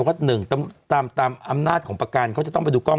ว่าหนึ่งต้องตามตามอำนาจของประการเขาจะต้องไปดูกล้อง